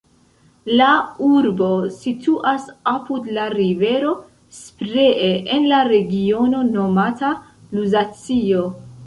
La urbo situas apud la rivero Spree en la regiono nomata Luzacio.